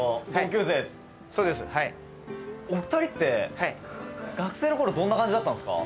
宮田：お二人って学生の頃どんな感じだったんですか？